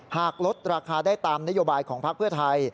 หากลดราคาได้ตามนโยบายของพักเพื่อไทย